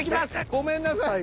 ごめんなさい。